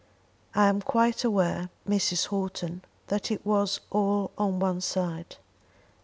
I am quite aware, Mrs. Houghton, that it was all on one side."